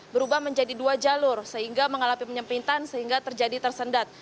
berubah menjadi dua jalur sehingga mengalami penyempitan sehingga terjadi tersendat